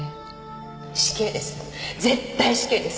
死刑です。